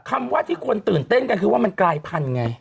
คำว่าที่คนตื่นเต้นกันคือว่ามันกลายพันธุ์ไง